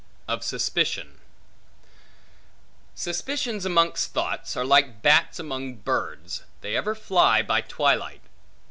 Of Suspicion SUSPICIONS amongst thoughts, are like bats amongst birds, they ever fly by twilight.